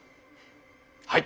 はい！